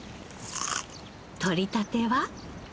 とりたては？